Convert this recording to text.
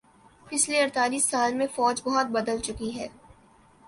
پچھلے اڑتالیس سالہ میں فوج بہت بدلہ چک ہے